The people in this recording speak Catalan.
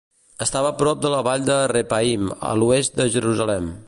Estava prop de la vall de Rephaim, a l'oest de Jerusalem.